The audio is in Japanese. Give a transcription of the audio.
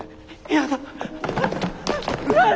嫌だ！